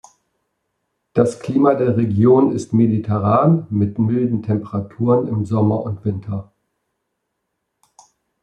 Das Klima der Region ist mediterran mit milden Temperaturen im Sommer und Winter.